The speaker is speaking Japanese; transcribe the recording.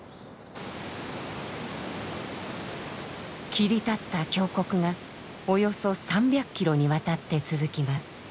切り立った峡谷がおよそ３００ｋｍにわたって続きます。